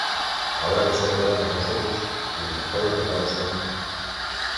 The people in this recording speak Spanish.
ahora que solo quedamos nosotros, los mejores regalos son